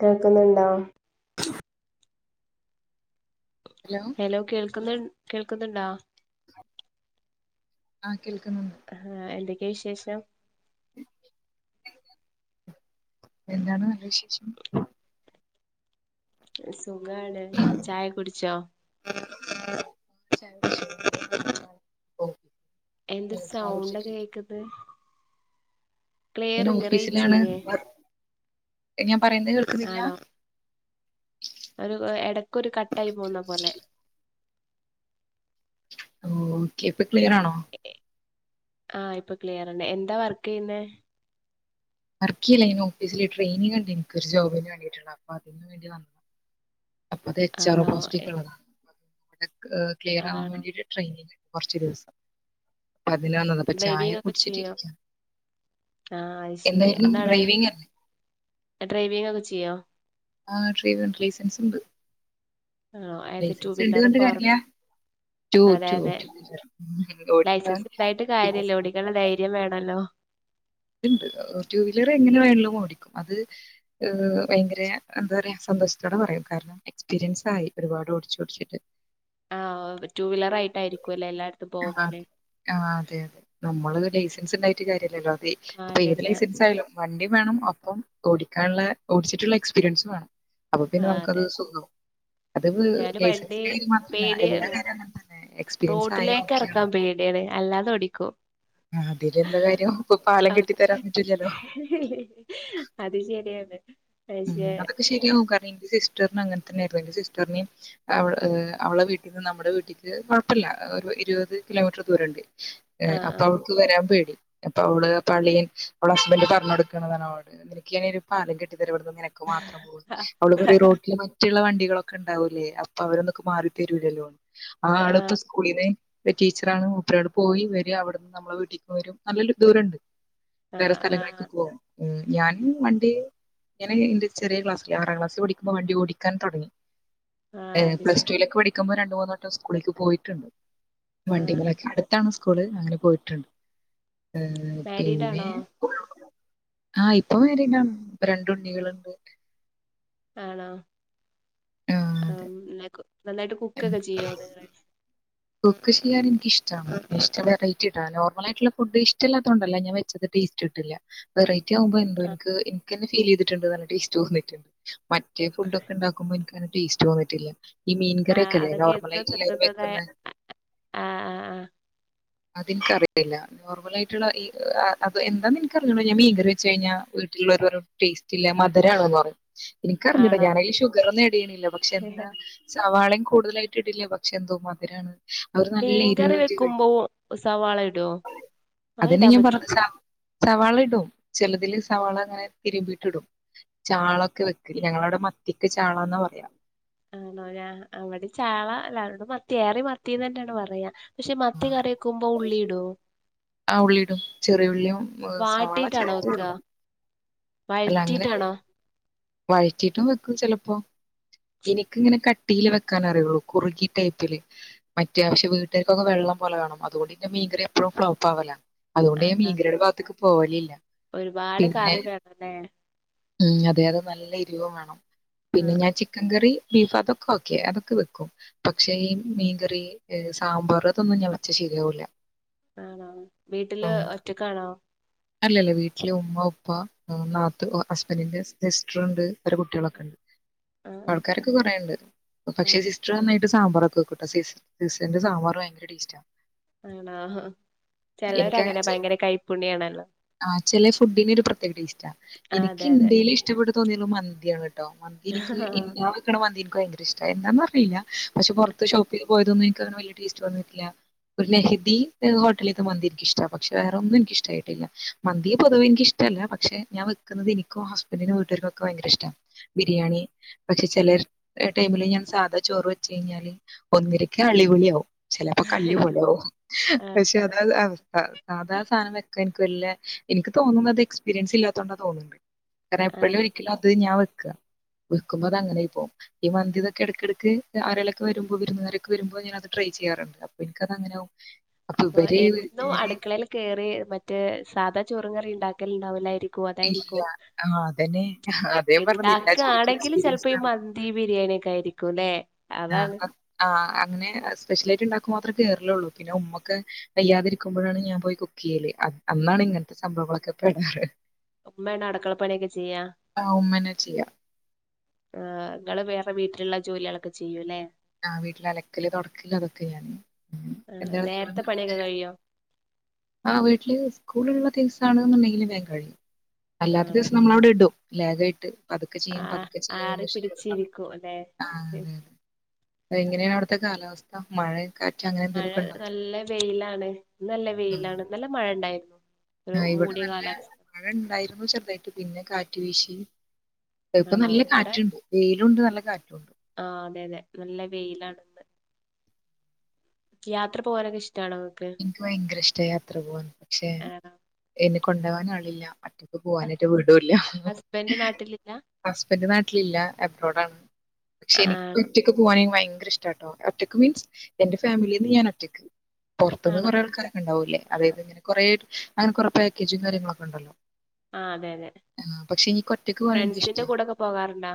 കേൾക്കുന്നുണ്ടോ? ഹലോ കേൾക്കുന്നു കേൾക്കുന്നുണ്ടാ? ആ കേൾക്കുന്നുണ്ട് ക്കെയാ വിശേഷം ഉ എന്താണ് നല്ല വിശേഷം സുഖാണ് ചായ കുടിച്ചോ? ചായ കുടിച്ചു [unintelligible] എന്തൊരു സൗണ്ടാ കേക്കത്? ഞാൻ ഓഫീസിലാണ് ഇല്ലേ വർ ഞാൻ പറയുന്നത് കേൾക്കുന്നില്ല? ആണോ ഒരു എടക്കൊരു കട്ടായി പോന്ന പോലെ ഓ ഓക്കെ ഇപ്പൊ ക്ലിയറാണോ ആഹ് ഇപ്പൊ ക്ലിയർണ്ട് എന്താ വർക്ക് ചെയ്യുന്നെ വർക്ക് ചെയ്യല്ല ഞാൻ ഓഫീസിൽ ട്രെയിനിങ് ഉണ്ട് ഇനിക്ക് ഒരു ജോബിന് വേണ്ടിയിട്ടുള്ള അപ്പോ അതിന് വേണ്ടി വന്നതാണ് അപ്പ അത് എച്ച് ആർ ഒ ആണോ പോസ്റ്റിക്കുള്ളതാ ക്ലിയർ ആവാൻ ആണോ വേണ്ടിട്ട് ട്രെയിനിങ് കുറച്ച് ദിവസം അതിന് വന്നതാ അപ്പൊ ചായ ഡ്രൈവിംഗ് ഒക്കെ ചെയ്യോ കുടിച്ചിട്ടിരിക്കാ ആഹ് അത് ശരി എന്തായിരുന്നു അതാണ് ഡ്രൈവിംഗ് അറി ചെയ്യാ ആ ഡ്രൈവിംഗ് ലൈസൻസ് ഉണ്ട് ആ ഏത് ടു ലൈസൻസ് ഉണ്ട് വീലർ കൊണ്ട് ഫോർ കാര്യമില്ല വീലറ് ടു അതെ ടു അതെ ടു വീലർ ഓടിക്കാൻ ലൈസൻസ് ഉണ്ടായിട്ട് കാര്യല്ല ഓടിക്കാനുള്ള ധൈര്യം വേണല്ലോ ത്ണ്ട് ടു വീലർ എങ്ങനെ വേണേലും ഓടിക്കും അത് ഭയങ്കര എന്താ പറയാ സപ്പോ [unintelligible] പറയും കാരണം എക്സ്പീരിയൻസ് ആയി ഒരുപാട് ഓടിച്ചിട്ടോടിച്ചിട്ട് ആ ടു വീലർ ആയിട്ടായിരിക്കുംല്ലേ എല്ലാരു ആ ആ അതെ അതെ നമ്മള് ഇത് ലൈസൻസ് ഇണ്ടായിട്ട് കാര്യ [unintelligible] ഇപ്പം ഏത് കാര്യല്ല ലൈസൻസ് ആയാലും വണ്ടീം വേണം ഒപ്പം ഓടിക്കാനുള്ള ഓടിച്ചിട്ടുള്ള എക്സ്പീരിയൻസ് വേണം അപ്പൊ ആ പിന്നെ നമുക്കത് അതെ സുഖാവും അത് ഞാന് വണ്ടി ലൈസൻസിന്റെ കാര്യം മാത്രമല്ല എല്ലാ കാര്യവും അങ്ങനെ തന്നെ എക്സ്പീരിയൻസ് ആയ ത്തിലേക്ക് ഓക്കെയാണ് ഇറക്കാൻ പേടിയാണ് അല്ലാതെ ഓടിക്കും. അതില് എന്താ കാര്യം ഇപ്പൊ പാലം കെട്ടി അത് തരാൻ പറ്റൂലല്ലോ [unintelligible] അതൊക്കെ ആ ശരിയാകും കാരണം എനിക്ക് സി സിസ്റ്ററിനും അങ്ങനെ തന്നെയായിരുന്നു എന്റെ സിസ്റ്ററിനേയും അവള് അവളുടെ വീട്ടിന് നമ്മുടെ വീട്ടിലേക്ക് കുഴപ്പമില്ല ഒരു ഇരുപത് കിലോമീറ്റർ ദൂരംഉണ്ട് അപ്പൊ ആ അവൾക്ക് വരാൻ പേടി. അപ്പൊ അവള് പള്ളിയിൽ അവള് ഹസ്ബൻഡ് പറഞ്ഞ കൊടുക്കണതാണ് അവള് നിനക്ക് ഞാൻ ഒരു പാലം കെട്ടിയ നിനക്ക് മാത്രം പോകാം. ആ അവളിപ്പോ റോഡില് മറ്റുള്ള വണ്ടി ക്കെ ഉണ്ടാവുല്ലേ? അപ്പൊ അവരന്നൊക്കെ മാറി തരൂല്ലലോ? ആ ആളിപ്പോ സ്കൂളിന്നേ ടീച്ചറണ്. മുപ്പരവിടെ പോയി വരി അവിടുന്ന് നമ്മളെ വീട്ടിലേക്ക് വരും നല്ലൊരു ദൂരം ഉണ്ട്. ആ വേറെ സ്ഥലങ്ങളേക്കൊ ആ പോവും. ഞനും വണ്ടി ഞാൻ എന്റെ ചെറിയ ക്ലാസ്സിൽ ആറാം ക്ലാസിൽ പഠിക്കുമ്പോ വണ്ടി ഓടിക്കാൻ തുടങ്ങി. ആ, അത് ശ പ്ലസ് ടു വിലൊക്കെ പഠിക്കുമ്പോ രണ്ടുമൂന്നു വെട്ടം സ്കൂളിലേക്ക് പോയിട്ടുണ്ട്. ആ വണ്ടിമലക്ക് അടുത്താണ് സ്കൂള് അങ്ങനെ പോയിട്ടുണ്ട്. ഏഹ് പിന്നെ മാരിഡാണോ? ആ ഇപ്പ മാരിഡാണ്. രണ്ടു ഉണ്ണികളുണ്ട്. ആണോ? ആ നന്നായിട്ട് ഉം കുക്കൊക്കെ ചെയ്യോ നിങ്ങൾ? കുക്ക് ചെയ്യാൻ എനിക്ക് ഇഷ്ടമാണ്. ഇഷ്ടം വെറൈറ്റി ഇടാന്. നോർമലായിട്ടുള്ള ഫുഡ് ഇഷ്ടമാത്ത കൊണ്ടല്ല ഞാൻ വെച്ചത് ടേസ്റ്റ്‌ കിട്ടില്ല. വെറൈറ്റി ആവുമ്പോ എന്തോ ആ എനിക്ക് ക്ക് തന്നെ ഫീൽ ചെയ്തിട്ടുണ്ട് നല്ല ടേസ്റ്റ് തോന്നിട്ട് മറ്റേ ഫുഡൊക്കെ ഉണ്ടാക്കുമ്പോ എനിക്ക് ടേസ്റ്റ് തോന്നിട്ടില്ല. ഈ ആ മീൻകറിയൊക്കെ അല്ലേ അതൊക്കെ എന്നും നോർമലായിട്ടു തിന്നുന്നത് വെക്കുന്നത്. ആ ആ ആ അതെനിക്കറിയില്ല. നോർമൽ ആയിട്ടുള്ള ഈ അത് എന്താന്ന് എനിക്കറിഞ്ഞൂടാ. ഞാൻ മീൻങ്കറി വെച്ചുകഴിഞ്ഞാൽ ഒരു ള്ളവരു പറയും മധുരമാണെന്നു പറയും. ആ എനിക്കറിഞ്ഞുടാ ആണോ ഞാൻ അതിന് ഷുഗർ ഒന്നു ഇടണില്ല. പക്ഷെ എന്താ സവാള കൂടുതലായിട്ട് ഇടില്ല. പക്ഷെ എന്തോ മധുരമാണ്. മീൻകറി വെക്കുമ്പോ സവാള ഇടുവാ? ആ അതന്നെ ഇടാൻ ഞാൻ പറ്റും. പറഞ്ഞത് സ സവാള ഇടും. ചെലതിൽ സവാള അങ്ങനെ തിരുമ്പിട്ട്ഇടും. ചാളയെക്കെ വെക്കില്ലേ? ഞങ്ങളടെ മത്തിക്ക് ചാന്നാ പറയ. ആണോ ഞ അവിടെ ചാള എല്ലായിടത്തും മത്തി യേറി മത്തിന്ന് തന്നെയാണ് പറയാ. പക്ഷെ മത്തി കറി വെയ്ക്കുമ്പോ ഉള്ളിയിടുവോ? ആ ഉള്ളിടും. ചെറിയ ഉള്ളിയും സവാള ചെ ഇടും. വഴറ്റിട്ടാണോ? വഴറ്റിട്ടും വെക്കും ചിലപ്പോ. എനിക്കിങ്ങനെ കട്ടില് വെക്കാനേ അറിയുള്ളൂ. കുറുകി ടൈപ്പില്. അത്യാവശ്യം വീട്ടുകാർക്കൊവെള്ളം ലെ വേണം. അതുകൊണ്ട് മീൻ എപ്പോഴും ഫ്ളോപ്പ് ആവലാ. അതുകൊണ്ട് ആഹ് മീൻങ്കറിയുടെ ഭാഗത്തേക്ക് പോകലില്ല. ഒരുപാട് കറിവേണല്ലേ? ഉം. അതെ അത് നല്ല എരിവും വേണം. പിന്നെ ആഹ് ഞാൻ ചിക്കൻ കറി ബീഫ് അതൊക്കെ ഓക്കെ അതൊക്കെ വെക്കും. പക്ഷേ ഈ മീൻകറി, സാമ്പാർ, അതൊന്നും ഞാൻ വെച്ചാ ശരി യാവുല. ആണോ. വീട്ടില് ഒറ്റക്കാണോ? അല്ലല്ല വീട്ടില് ഉമ്മ, ഉപ്പ, നാത്ത ഹസ്ബന്റിന്റെ സിസ്റ്റർ ഉണ്ട്. അവരുടെ കുട്ടികളൊക്കെയുണ്ട്. ആഹ് ആൾക്കാരൊക്കെ കൊറേയുണ്ട് പക്ഷെ അതെ സിസ്റ്റർന്നായി സാമ്പാറൊക്കെ വെയ്ക്കുട്ടോ. സിസ്റ്ററിന്റെ സാമ്പാറ് ഭയങ്കര ടേസ്റ്റാ. ആണോ ഹ ചിലവരങ്ങനെയാ ഭയങ്കര കൈപ്പുണ്യാണല്ലോ. ആ ചില ഫുഡിന് ഒരു പ്രത്യേക ടേസ്റ്റാ. ആഹ് എനിക്ക് അതെ അതെ ഇന്ത്യയിൽ ഇഷ്ടപ്പെട്ടു തോന്നിയത് മന്തിയാണ് [inaudible] മന്തി എനിക്ക് [inaudible] വെക്കണ മന്തിയുണ്ട് ഭയങ്കര ഇഷ്ട എന്താന്നറിയില്ല പക്ഷെ പുറത്ത് ഷോപ്പിൽ പോയതൊന്നും എനിക്ക് വലിയ ടേസ്റ്റ് വന്നിട്ടില്ല ഒരു ലെഹദി ഹോട്ടലിന്ന് മന്തി എനിക്കിഷ്ടാ പക്ഷെ വേറൊന്നും എനിക്ക് ഇഷ്ടമായിട്ടില്ല മന്തി പൊതുവെ എനിക്ക് ഇഷ്ടമല്ല പക്ഷെ ഞാൻ വെക്കുന്നത് എനിക്കോ ഹസ്ബൻഡിനും വീട്ടുകാർക്കും ഒക്കെ ഭയങ്കര ഇഷ്ട ബിരിയാണി പക്ഷെ ചില ടൈമിൽ ഞാൻ സാധാ ചോറ് വെച്ച് കഴിഞ്ഞാൽ ഒന്നരക്ക് അളിപൊളി ആവും ചിലപ്പോ കല്ല് പോലോ ആവും ആഹ് പക്ഷെ അതാ അവസ്ഥ സാധാ സാധനം വെക്ക എനിക്ക് തോന്നുന്നത്ത് എക്സ്പീരിയൻസ് ഇല്ലാത്തോണ്ട തോന്നുന്നുണ്ട് കാരണം ആഹ് എപ്പോഴും ഒരിക്കലും അത് ഞാൻ വെയ്ക്കുമ്പോ അത് അങ്ങനെ പോകും ഈ മന്തി ഇതൊക്കെ ഇടയ്ക്കിടക്ക് ആളുകളൊക്കെ വരുമ്പോ വിരുന്നുകാരൊക്കെ വരുമ്പോ ഞാനത് ട്രൈ ചെയ്യാറുണ്ട് എനിക്ക് അത് അങ്ങനെയാവും അപ്പൊ എന്നും അടുക്കളയിൽ കേറി മറ്റേ സാധാ ചോറും കറി ഉണ്ടാക്കലുണ്ടാവൂലായിരിക്കും ഇല്ല. അതായിരിക്കും ആ അതന്നെ. അതേ ഞാൻ പറഞ്ഞത് എല്ലാ ജോലിക്കും ഉണ്ടാക്കയാണെങ്കിൽ എക്സ്പീരിയൻസ് ചിലപ്പോ ഈ മന്തി ബിരിയാണി ഒക്കെ ആയിരിക്കും [inaudible] ആ ആ അങ്ങനെ സ്പെഷ്യലായിട്ട് ഉണ്ടാക്കും മാത്രം കേയറുള്ളൂ പിന്നെ ഉമ്മൊക്കെ വയ്യാതിരിക്കുമ്പോഴാണ് ഞാൻ പോയി കുക്ക് ചെയ്യൽ അന്നാണ് ഇങ്ങനത്തെ സംഭവങ്ങളൊക്കെ [inaudible] ഉമ്മ ആണോ അടുക്കള പണിയൊക്കെ ചെയ്യാ ആ ഉമ്മന്നെ ചെയ്യും. നിങ്ങൾ വേറെ വീട്ടിലുള്ള ജോലികളൊക്കെ ചെയ്യും അല്ലേ ആ വീട്ടിൽ അലക്കൽ തുടക്കൽ അതൊക്കെ ഞാൻ ആഹ് എന്താണ് നിങ്ങൾ നേരത്തെ പണിയൊക്കെ വീട്ടിൻ്റെ കഴിയോ ആ വീട്ടിൽ സ്കൂൾ ഉള്ള ദിവസം ആണെങ്കിൽ വേഗം കഴിയും അല്ലാത്ത ആണോ ദിവസം നമ്മൾ അവിടെ ഇടും ലാഖായിട്ട് പതുക്കെ ചെയ്യാം ആഹ് പതുക്കെ ആറി ചെയ്യാം [inaudible] പിടിച്ചിരിക്കും അല്ലെ [inaudible] ആ എങ്ങനെയാണ് അവിടുത്തെ കാലാവസ്ഥ മഴ കാറ്റ് അങ്ങനെ എന്തെലും മഴ ഒക്കെ ഉണ്ടോ നല്ല വെയിലാണ് നല്ല ഉം. വെയിലാണ് ഇന്നലെ മഴ ഉണ്ടായിരുന്നു ആ ഇവിടെ നല്ല ഇവിടെ ഉണ്ടായിരുന്നു ചെറുതായിട്ട് പിന്നെ കാറ്റ് വീശി ഇപ്പൊ ആണോ നല്ല ഇവിടെ കാറ്റുണ്ട് വെയിലുണ്ട് നല്ല കാറ്റുണ്ട് ആഹ് അതെ അതെ നല്ല വെയിലാണ് ഇപ്പെ യാത്ര പോകാനൊക്കെ ഇഷ്ടം എനിക്ക് ഭയങ്കര ഇഷ്ട യാത്ര പോവാൻ പക്ഷെ ആണോ എന്നെ കൊണ്ടുപോകാൻ ആളില്ല മറ്റ പോവാനായിട്ട് വീടുമില്ല ഹസ്ബൻഡ് നാട്ടിലില്ല ഹസ്ബൻഡ് നാട്ടിലില്ല അബ്രോഡ് ആണ് പക്ഷെ എനിക്ക് ആഹ് ഒറ്റൊക്കെ പോവാനേ ഭയങ്ക ഭയങ്കര ഇഷ്ടാട്ടോ ഒറ്റക്ക് മീൻസ് എന്റെ ഫാമിലി നിന്ന് ഞാൻ ഒറ്റക്ക് പുറത്തു നിന്ന് ആണോ കൊറെ ആൾക്കാരൊക്കെ ഉണ്ടാവൂല്ലേ അതായത് കൊറേ അങ്ങനെ കൊറെേ പാക്കേജും കാര്യങ്ങളൊക്കെ ഉണ്ടല്ലോ ആഹ് അതെ അതെ ആ പക്ഷെ എനിക്ക് ഒറ്റക്ക് പോകാനാ ഫ്രണ്ട്സിന്റെ എനിക്കിഷ്ടം കൂടെക്കെ പോകാറുണ്ടോ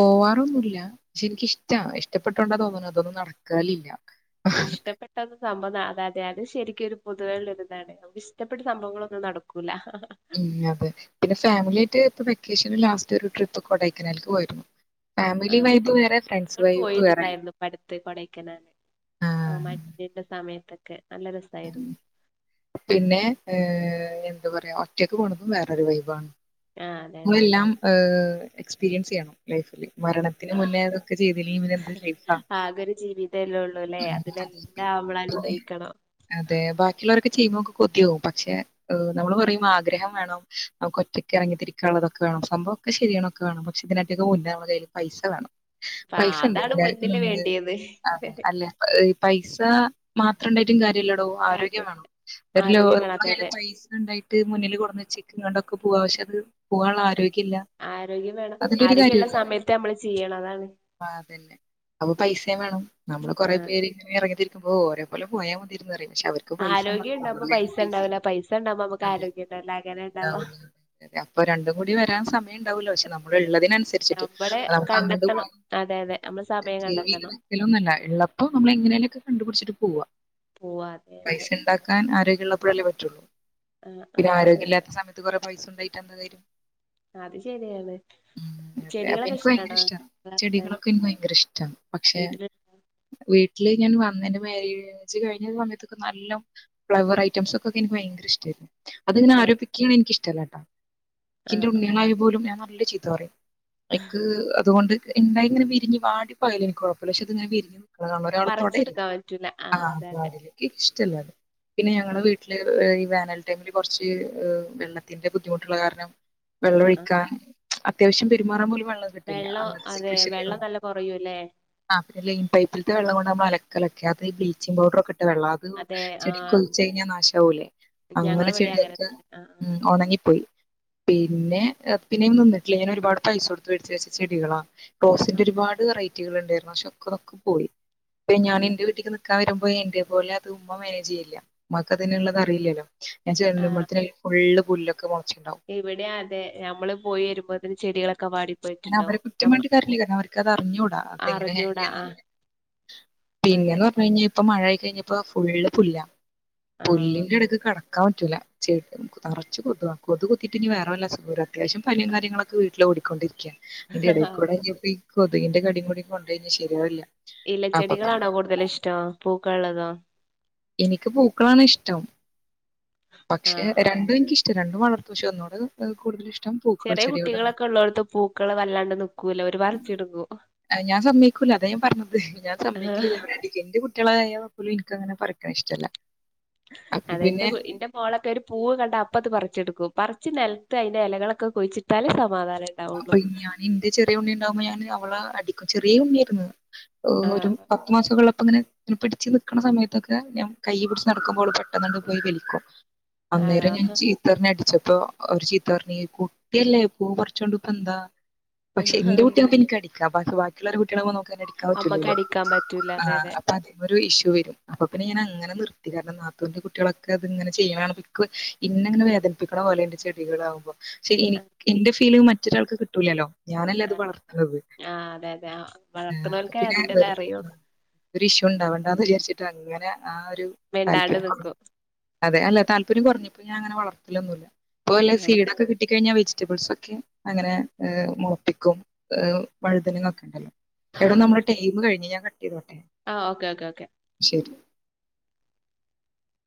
പോവാറൊന്നുമില്ല പക്ഷെ എനിക്കിഷ്ട ഇഷ്ടപ്പെട്ടോണ്ട തോന്നുന്നു അതൊന്നും നടക്കലില്ല ഇഷ്ടപ്പെട്ടത് സംഭവം അതെ അതെ ശരിക്കും ഒരു പൊതുവെ ഉള്ള ഇതാണ് നമുക്ക് ഇഷ്ടപ്പെട്ട സംഭവങ്ങളൊന്നും നടക്കൂല ഉം അതെ പിന്നെ ഫാമിലി ആയിട്ട് ഇപ്പ വെക്കേഷൻ ലാസ്റ്റ് ഒരു ട്രിപ്പ് കൊടൈക്കനാൽക്ക് പോയിരുന്നു ഫാമിലി വൈബ് വേറെ ഫ്രണ്ട്സ് [inaudible] വൈബ് വേറെ പോയിട്ടണ്ടായിരുന്നു പണ്ട് കൊടയ്ക്കനാൽക്ക് ആ മഞ്ഞിന്റെ സമയത്തെ പിന്നെ ഏ എന്താ പറയാ ഒറ്റയ്ക്ക് പോണതും വേറൊരു വൈബാണ് ആഹ് അതെ അതെ എല്ലാം എക്സ്പീരിയൻസ് ചെയ്യണം ലൈഫിൽ ആഹ് മരണത്തിന് ആഹ് മുന്നേ അതൊക്കെ ചെയ്തില്ലെങ്കിൽ പിന്നെ എന്ത് [inaudible] ആകൊരു ജീവിതല്ലേ ഉള്ളൂല്ലേ അതിലെല്ലാം നമ്മള് അനുഭവിക്കണം അതെ ബാക്കിയുള്ളർ ഒ ചെയ്യുമ്പോ കൊതിയാകും പക്ഷെ നമ്മൾ പറയും ആഗ്രഹം വേണം നമുക്ക് ഒറ്റയ്ക്ക് ഇറങ്ങി തിരിക്കും [inaudible] ഉള്ളതൊെക്കെ വേണം സംഭവമൊക്കെ ശരിയാണ് വേണം പക്ഷേ [inaudible] മ [inaudible] കയിൽ പൈസ വേണം അപ്പ പൈസ അതാണ് മുന്നില് ഉണ്ട് വേണ്ടിയത് [inaudible] അല്ലെ പൈസ മാത്രം ഉണ്ടായിട്ടും കാരമില്ലാട്ടോ ആരോഗ്യം കാര്യം വേണം ആരോഗ്യം വേണം അതെ അതെ [inaudible] പൈസ ഉണ്ടായിട്ട് മുന്നിൽ കൊണ്ടുവെച്ച് എങ്ങണ്ടൊക്കെ പോകവശ്യ അത് പോകാനുള്ള ആരോഗ്യം ആരോഗ്യം വേണം അതിന്റെ ഒരു ആരോഗ്യള്ള കാര്യമില്ല സമയത്ത് നമ്മള് ചെയ്യണം അതാണ് ആ അതന്നെ അപ്പൊ പൈസയും വേണം നമ്മള് കൊറെ ആഹ് പേര് ഇങ്ങന ഇറങ്ങിത്തിരിക്കുമ്പോ ഒരേ പോലെ പോയാ മതിന്ന് പറയും പക്ഷെ അവർക്ക് പൈസ ഉണ്ട ആരോഗ്യം ഉണ്ടാവുമ്പോ പൈസ ഉണ്ടാവൂല പൈസ ഉണ്ടാവുമ്പോ നമുക്ക് അതെ ആരോഗ്യം ഉണ്ടാവില്ല അങ്ങനെ ഉണ്ടാവാ അപ്പൊ രണ്ടും കൂടി വരാൻ സമയംണ്ടാവല്ലോ പക്ഷെ നമ്മ നള്ളതിനനുസരിച്ചിട്ട് നമ്മള് നമുക്ക് അങ്ങോട്ട് പോ കണ്ടെത്തണം അതെ അതെ നമ്മള് സമയം സേവെയ്ത കണ്ടെത്തണം വക്കലൊന്നുംല്ല ഉള്ളപ്പോ നമ്മള എങ്ങനെലൊക്കെ കണ്ടുപിടിച്ചിട്ട പൂവാ പോവാ അതെ അതെ പൈസ ഉണ്ടാക്കാൻ ആരോഗ്യമള്ളപ്പോഴല്ലേ പറ്റുള്ളൂ ആ ആ പിന്നെ ആ ആരോഗ്യം ഇില്ലാത്ത സമയത്ത് കൊറെ പസ ഉണ്ടായിട്ട് എന്താ കാര്യം അത് ശരിയാണ് അതെ അപ്പൊ ചെടികളൊക്കെ ൻക്ക് ഭയങ്കര ഇഷ്ടാണോ ഇഷ്ട വളർത്താൻ ചെടികളൊക്കെ ഇൻക്ക് ഭയങ്കര ഇഷ്ട പക്ഷെ വീട്ടില് വീട്ട ട്ടില് ഞാൻ വന്നതിന്റെ മാര്യേജ് കയ്ഞ്ഞ സമയത്തൊക്കെ നല്ലം ഫ്ലവർ ഐറ്റംസൊക്കെ ഇൻക്ക് ഭയങ്കര ഇഷ്ടേര്ന്നു അത്ങ്ങനെ ആ ആരോപിക്കാന് എനിക്ക്ഷ്ട്ടല്ലട്ടോ ആ ൻക്ക് ന്റെ ആ ഉണ്ണ്യളായ പോലും ഞാൻ നല്ല ചീത്ത പറയും ക്ക് അതോണ്ട് എന്തായിങ്ങനെ വിരിഞ്ഞ് വാടിപ്പോയാല് ൻക്ക് കൊഴപ്പല്ല പക്ഷെ അതിങ്ങനെ വിരിഞ്ഞ് ആ ഒരാളുംതൊടരുത് പറിച്ചെടുക്കാൻ പറ്റൂല ആ അതെ അതെ വാതില് ഇൻക്ക്ഷ്ട്ടല്ലത് പിന്നെ ഞങ്ങളെ ഉം, വീട്ടില് വേനൽ ടൈമില് കൊർച്ച് വെള്ളത്തിന്റെ ബുദ്ധിമുട്ടുള്ള കാരണം ആ ആ വെള്ളൊഴിക്കാൻ അത്യാവശ്യം പെരുമാറാൻ പോലും വെള്ളം കിട്ടില്ല അങ്ങൻത്തെ അതെ സിറ്റേഷൻലേയ്ന്നു വെള്ളം നല്ല കുറയൂല്ലേ അ പിന്നെ ലൈൻ പൈപ്പ്ത്തെ വെള്ളം കൊണ്ടമ്മ അല ക്കൊലക്കി അത് ബ്ലീച്ചിങ് പൗഡറൊക്കെട്ട വെള്ള അത് അതെ ആ ചെടിക്കൊഴിച്ചയ്ഞ്ഞ നാശാവൂലേ അങ്ങനെ ഞങ്ങളവിടെ അങ്ങനെ ചെടിയൊക്കെ തന്നെ ആ ഉം ഒണങ്ങിപ്പോയി പിന്നെ പിന്നെ ഞാൻ നിന്നിട്ടില്ല ഞാൻ ഒരുപാട് പൈസ കൊടുത്ത് വേടിച്ച് വെച്ചടികളാ ആ ആ റോസിന്റെ ഒരുപാട് വെറൈറ്റികള്ണ്ടേര്ന്നു പക്ഷെ ഒക്കെ അതൊക്കെ പോയി ഞാൻ ആണ് ന്റെ വീട്ടിന്ന് ക്ക വെരുമ്പോ എന്റെ പോലെ അത് ഉമ്മ മാനേജ് ചെയ്യില്ല ഉമ്മക്ക് അതിനുള്ളത് അറിയില്ലല്ലോ ഞാൻ ആ ചെല്ലുമത്തേന് ഫുള്ള് പുല്ലൊക്കെ മൊ ഇവിടെ അതെ ഞമ്മള് പോയി വെരുമ്പോത്തിന് ചെടിയാളൊക്കെ അ അവരെ കുറ്റം പറഞ്ഞിട്ട് കാര്യല്ല അവര് തറിഞ്ഞുടാ അതെങ്ങനെ അറിഞ്ഞൂടാ ആ [unintelligible] അതെ പിന്നെന്ന് പറഞ് കയ്ഞ്ഞാ ഇപ്പ മഴ പെയ്ത് കയ്ഞ്ഞപ്പോ ഫുള്ള് പുല്ല ആഹ് പുല്ലിന്റെടക്ക്കട ക്കാൻ പറ്റൂല്ല ചേ നറച്ചും കൊതുകാ കൊതുക് കുത്തീട്ട് ഇനി വേറെ വല്ല അസുഖവും വരാൻ അത്യാവശ്യം പനിയും കാര്യങ്ങളൊക്കെ വീട്ടില് ഓടിക്കൊണ്ടിരിക്കുവാ അതിന്റെ ഇടയിൽ കൂടെ ഇനിയിപ്പോ ഈ കൊതുകിന്റെ കടിയും കൂടി കൊണ്ടു കഴിഞ്ഞാ ശരിയാവില്ല ഇല്ല അപ്പൊ ചെടികളാണോ പിന്നെ കൂടുതല് ഇഷ്ടം പൂക്കൾ ഉള്ളതോ എനിക്ക് പൂക്കളാണ് ഇഷ്ടം പക്ഷെ ആഹ് ആഹ് രണ്ടും എനിക്ക് ഇ ഷ്ടം രണ്ടും വളർത്തും പക്ഷേ ഒന്നൂടെ കൂതല് ഇഷ്ടം പൂക്കൾ ചെറിയ ചെടിയോടാണ് കുട്ടികളൊക്കെ ഉള്ളോടത്ത് പൂക്കള് വല്ലാണ്ട് നിക്കൂല്ല അവര് പറിച്ചെടുക്കും അത് ഞാൻ സമ്മതിക്കൂല്ല അതാ ഞാൻ പറഞ്ഞത് ഞാൻ സമ്മതിക്കില്ല എന്റെ കുട്ടികളായാൽ പോലും എനിക്കങ്ങനെ പറി അതെ എന്റെ എന്റെ മോളൊക്കെ ഒരു പൂവ് കണ്ട അപ്പ അത് പറി ച്ചെടുക്കും പറിച്ച് നിലത്ത് അതിന്റെ ഇലകളൊക്കെ കൊഴിച്ചിട്ടാലെ സമാധാന അപ്പോ ഞാൻ എന്റെ ചെറിയ ഉണ്ണി ഉണ്ടാവുമ്പോ ഞാൻ അവളെ അടിക്കും ചെറിയ ഉണ്ണി ആയിരുന്നു ഓ ഒരു ആഹ് പത്ത് മാസവൊക്കെ ഉള്ള അപ്പ അങ്ങനെ പിടിച്ച് നിക്കണ സമയത്തൊക്കെ ഞാൻ കൈ പിടിച്ച് നടക്കുമ്പോൾ ഓള് പെട്ടെന്നങ്ങ് കൈ വലിക്കും ആണോ അന്നേരം ഞാൻ ചീത്ത പറഞ്ഞ് അടിച്ചപ്പോ അവര് ചീത്ത പറഞ്ഞ് കുട്ടിയല്ലേ പൂ പറി ച്ചോണ്ട് ഇപ്പോ എന്താ പക്ഷെ എന്റെ കുട്ടിയാവുമ്പോ എനിക്ക് അടിക്കാം പക്ഷേ ബാക്കിയുള്ളോരുടെ കുട്ടികളാവുമ്പോ ന ക്ക് അതിനെ അടിക്കാൻ അമ്മക്ക് പറ്റൂലല്ലോ അടിക്കാൻ പറ്റൂല ആ അതെ അതെ അപ്പോ അത് തന്നെ ഒരു ഇഷ്യൂ വരും അപ്പൊ പിന്നെ ഞാൻ അങ്ങനെ നിർത്തി കാരണം നാത്തൂന്റെ കുട്ടികളൊക്കെ അതിങ്ങനെ ചെയ്യണ കാണുമ്പ എനിക്ക് എന്നെ അങ്ങനെ നശിപ്പിക്കണ പോലെയാ എന്റെ ചെടികളാകുമ്പോ പക്ഷേ എനിക്ക് എന്റെ ഫീല് മറ്റൊരാൾക്ക് കിട്ടൂല്ലല്ലോ ഞാനല്ലേ അത് അതെ വളർത്തണത് ആഹ് അതെ അതെ ആ വളർത്തുന്നോൽക്കേ പിന്നെ അതിന്റേത് വെറുതെ അറിയുള്ളൂ ഒരു ഇഷ്യു ഉണ്ടാവണ്ടാന്ന് വിചാരിച്ചിട്ട് അങ്ങനെ ആ ഒരു മിണ്ടാണ്ട് താല്പര്യം കുറഞ്ഞു നിക്കും അതെ അല്ലെ താ ല്പര്യം കുറഞ്ഞപ്പൊ ഞാനങ്ങനെ വളർത്തലൊന്നൂല്ല ഇപ്പ വല്ലോ സീഡൊക്കെ കിട്ടിക്കഴിഞ്ഞാ വെജറ്റബിൾസൊ ക്കെ അങ്ങനെ മൊളപ്പിക്കും വഴുതനങ്ങാ ഒക്കെ ഉണ്ടല്ലോ എടാ നമ്മട ടൈമ് കഴിഞ്ഞു ഞാൻ കട്ട് ചെയ്തോട്ടെ ആഹ് ഓക്കേ ഓക്കേ ഓക്കെ [unintelligible]